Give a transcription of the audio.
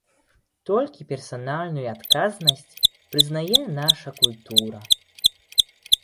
Толькі персанальную адказнасць прызнае наша культура.